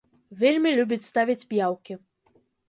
Вельмі любіць ставіць п'яўкі.